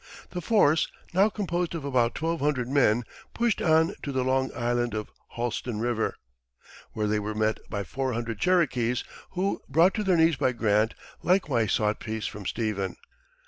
The force, now composed of about twelve hundred men, pushed on to the Long Island of Holston River, where they were met by four hundred Cherokees, who, brought to their knees by Grant, likewise sought peace from Stephen.